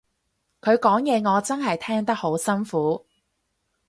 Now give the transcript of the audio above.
佢講嘢我真係聽得好辛苦